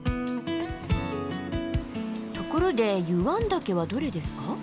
ところで湯湾岳はどれですか？